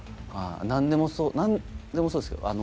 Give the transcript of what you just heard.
何でもそうですけど。